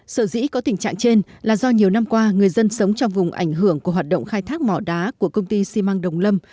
sở dĩ có tình trạng trên là do nhiều năm qua người dân sống trong vùng ảnh hưởng của hoạt động khai thác mỏ đá của công ty xi măng đồng lâm